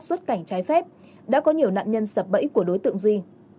xuất cảnh trái phép đã có nhiều nạn nhân sập bẫy của đối tượng duy